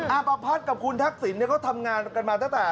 อับอภัทรกับคุณทักศิลป์เขาทำงานกันมาตั้งแต่